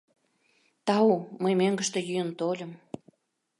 — Тау, мый мӧҥгыштӧ йӱын тольым.